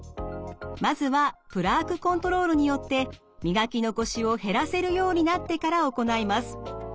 まずはプラークコントロールによって磨き残しを減らせるようになってから行います。